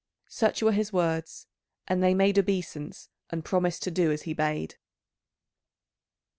Such were his words; and they made obeisance and promised to do as he bade. [C.